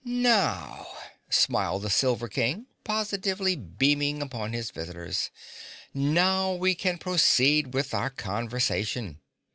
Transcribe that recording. "Now," smiled the Silver King, positively beaming upon his visitors, "now we can proceed with our conversation.